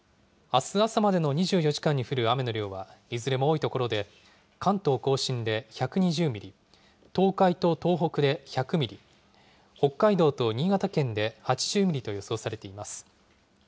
あす朝までの２４時間に降る雨の量はいずれも多い所で関東甲信で１２０ミリ、東海と東北で１００ミリ、北海道と新潟県で８０ミリと予想されています。